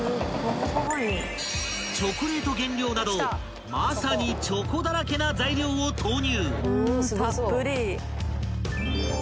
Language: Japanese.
［チョコレート原料などまさにチョコだらけな材料を投入］